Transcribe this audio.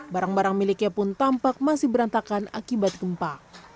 barang barang miliknya pun tampak masih berantakan akibat gempa